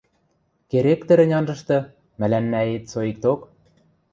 Керек тӹрӹнь анжышты, мӓлӓннӓэт соикток.